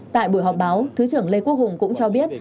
tại buổi họp báo thứ trưởng lê quốc hùng cũng cho biết